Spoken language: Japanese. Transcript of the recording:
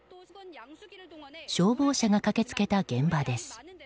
消防車が駆けつけた現場です。